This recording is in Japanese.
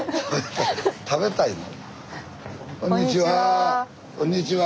食べたいの？